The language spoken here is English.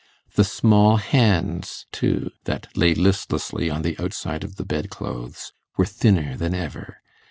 The small hands, too, that lay listlessly on the outside of the bed clothes were thinner than ever.